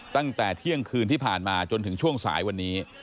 ตั้งแต่เที่ยงคืนที่ผ่านมาจนถึงช่วงสายวันนี้